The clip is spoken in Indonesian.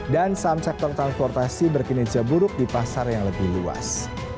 dan saham sektor transportasi berkinesia buruk di pasar yang lebih luas